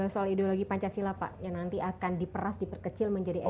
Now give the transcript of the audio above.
soal ideologi pancasila pak yang nanti akan diperas diperkecil menjadi elektor